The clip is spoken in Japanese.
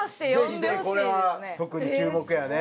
ぜひぜひこれは特に注目やね。